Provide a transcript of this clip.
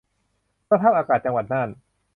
สภาพอากาศจังหวัดน่าน